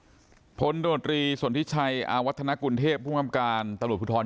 ตั้งแต่ความว่าพลโดนตรีทรวจทิชชัยอาวัฒนากุณเทพผู้คำการตรวจพุทธร